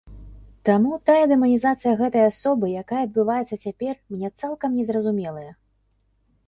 Таму тая дэманізацыя гэтай асобы, якая адбываецца цяпер, мне цалкам незразумелая.